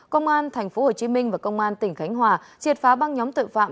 công an tp hcm và công an tỉnh khánh hòa triệt phá băng nhóm tội phạm